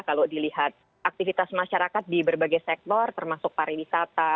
kalau dilihat aktivitas masyarakat di berbagai sektor termasuk pariwisata